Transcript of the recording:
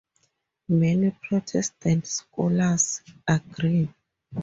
Many Protestant scholars agree.